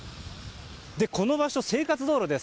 この場所、生活道路です。